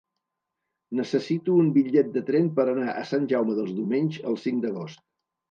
Necessito un bitllet de tren per anar a Sant Jaume dels Domenys el cinc d'agost.